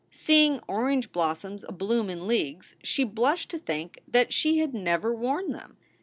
Seeing orange blossoms abloom in leagues, she blushed to think that she had never worn them.